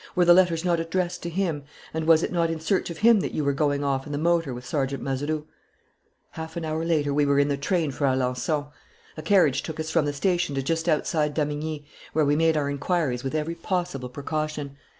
Were the letters not addressed to him and was it not in search of him that you were going off in the motor with Sergeant Mazeroux?... "Half an hour later we were in the train for Alençon. A carriage took us from the station to just outside Damigni, where we made our inquiries with every possible precaution.